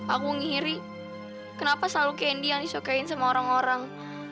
aku ngiri kenapa selalu kendi yang disukain sama orang orang